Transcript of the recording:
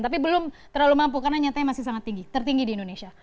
tapi belum terlalu mampu karena nyatanya masih sangat tinggi tertinggi di indonesia